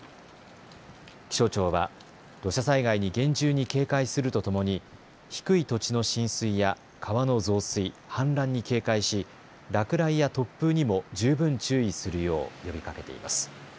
気象庁は土砂災害に厳重に警戒するとともに低い土地の浸水や川の増水、氾濫に警戒し落雷や突風にも十分注意するよう呼びかけています。